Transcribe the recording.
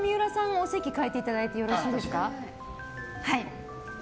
お席替えていただいてよろしいですか。